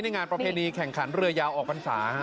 ในงานประเภณีแข่งขันเรือยาวออกกันศา